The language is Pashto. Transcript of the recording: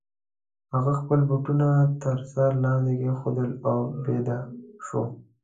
هغه خپل بوټونه تر سر لاندي کښېښودل او بیده سو.